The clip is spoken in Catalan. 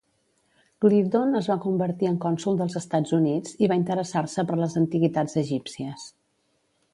Gliddon es va convertir en cònsol dels Estats Units i va interessar-se per les antiguitats egípcies.